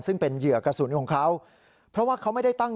ซึ่งเป็นเหยื่อกระสุนของเขาเพราะว่าเขาไม่ได้ตั้ง